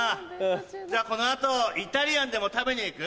じゃあこの後イタリアンでも食べに行く？